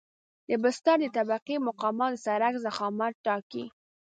د بستر د طبقې مقاومت د سرک ضخامت ټاکي